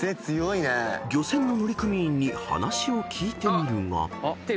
［漁船の乗組員に話を聞いてみるが］